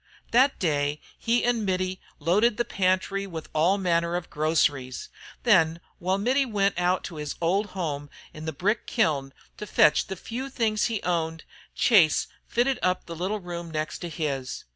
That day he and Mittie loaded the pantry with all manner of groceries. Then while Mittie went out to his old home in the brick kiln to fetch the few things he owned, Chase fitted up the little room next to his.